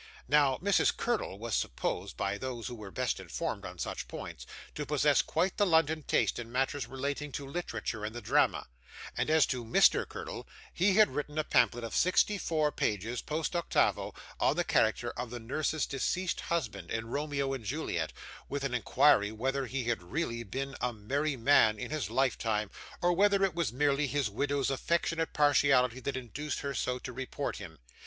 Now, Mrs. Curdle was supposed, by those who were best informed on such points, to possess quite the London taste in matters relating to literature and the drama; and as to Mr. Curdle, he had written a pamphlet of sixty four pages, post octavo, on the character of the Nurse's deceased husband in Romeo and Juliet, with an inquiry whether he really had been a 'merry man' in his lifetime, or whether it was merely his widow's affectionate partiality that induced her so to report him.